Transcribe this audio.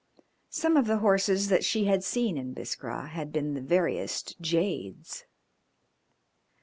Some of the horses that she had seen in Biskra had been the veriest jades.